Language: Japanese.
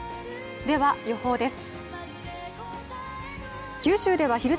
では、予報です。